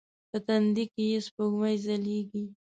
په تندې کې یې سپوږمۍ ځلیږې